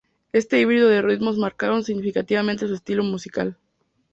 Este híbrido de ritmos marcaron significativamente su estilo musical.